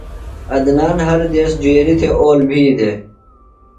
عدنان ہر دیس جُویریۡ تھےۡ اول بھی دےۡ۔